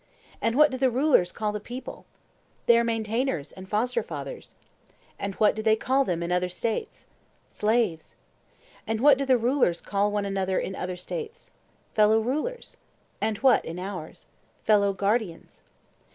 And what do the rulers call the people? Their maintainers and foster fathers. And what do they call them in other States? Slaves. And what do the rulers call one another in other States? Fellow rulers. And what in ours? Fellow guardians.